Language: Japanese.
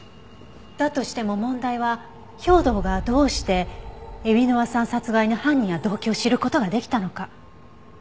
だとしても問題は兵働がどうして海老沼さん殺害の犯人や動機を知る事ができたのか。